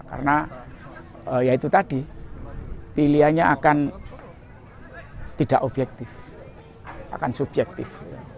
karena ya itu tadi pilihannya akan tidak objektif akan subjektif